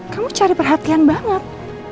kamu cari perhatian banget